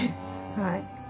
はい。